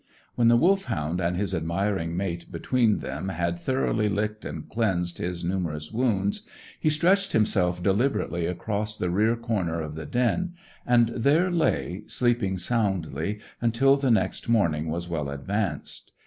When the Wolfhound and his admiring mate between them had thoroughly licked and cleansed his numerous wounds, he stretched himself deliberately across the rear corner of the den, and there lay, sleeping soundly, until the next morning was well advanced.